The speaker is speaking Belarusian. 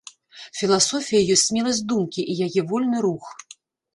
Філасофія ёсць смеласць думкі і яе вольны рух.